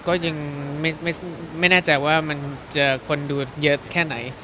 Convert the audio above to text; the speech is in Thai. ก็ยังไม่แน่ใจว่ามันเจอคนดูเยอะแค่ไหน